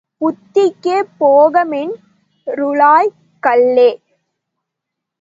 புத்திக்கே போகமென் றுருளாய் கல்லே!